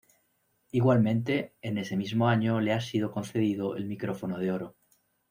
Igualmente, en ese mismo año le ha sido concedido el Micrófono de Oro.